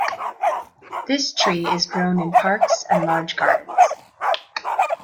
This tree is grown in parks and large gardens.